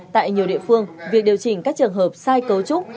tại nhiều địa phương việc điều chỉnh các trường hợp sai cấu trúc